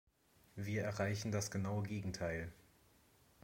Wir erreichen das genaue Gegenteil.